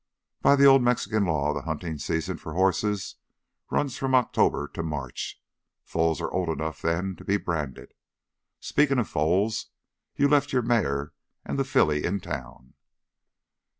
By the old Mexican law the hunting season for horses runs from October to March. Foals are old enough then to be branded. Speaking of foals, you left your mare and the filly in town?"